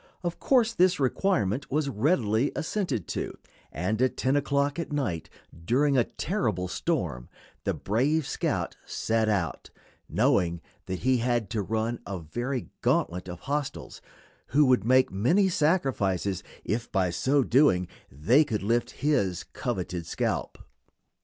Of course this requirement was readily assented to, and at 10 o'clock at night, during a terrible storm, the brave scout set out, knowing that he had to run a very gauntlet of hostiles, who would make many sacrifices if by so doing they could lift his coveted scalp.